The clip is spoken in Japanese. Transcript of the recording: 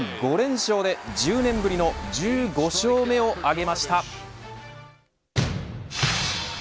自身５連勝で１０年ぶりの１５勝目を挙げました。